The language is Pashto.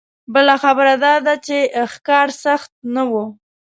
بله خبره دا ده چې ښکار سخت نه و.